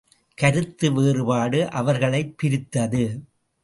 கருத்து வேறுபாடு அவர்களைப் பிரித்தது.